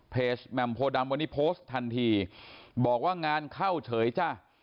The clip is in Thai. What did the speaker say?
แหม่มโพดำวันนี้โพสต์ทันทีบอกว่างานเข้าเฉยจ้ะ